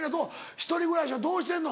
ひとり暮らしはどうしてんの？